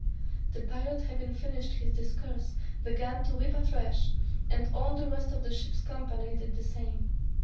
The pilot having finished his discourse, began to weep afresh, and all the rest of the ship's company did the same.